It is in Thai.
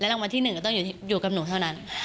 แล้วลังวันที่หนึ่งก็ต้องอยู่กับหนูเท่านั้น